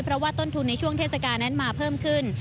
เพราะว่าต้นทุนในช่วงเทศกาลนั้นมาเพิ่มขึ้น